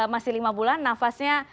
masih lima bulan nafasnya